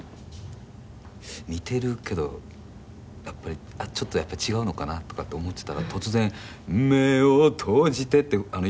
似てるけどやっぱりちょっと、やっぱり違うのかなとか思ってたら突然、「目を閉じて」ってイタリア人の人が。